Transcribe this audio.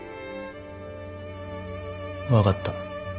分かった。